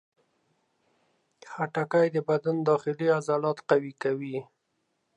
خټکی د بدن داخلي عضلات قوي کوي.